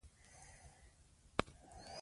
دوی د بري هیله درلودلې.